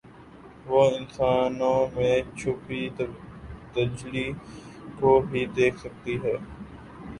وہ انسانوں میں چھپی تجلی کو بھی دیکھ سکتی ہیں